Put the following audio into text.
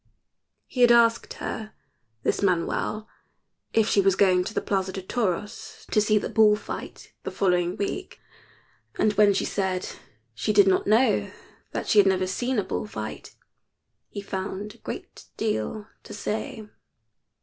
He had asked her, this Manuel, if she was going to the Plaza de Toros to see the bull fight the following week, and when she said she did not know that she had never seen a bull fight he found a great deal to say.